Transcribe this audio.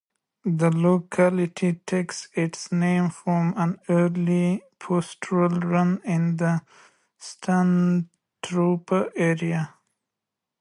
The locality takes its name from an early pastoral run in the Stanthorpe area.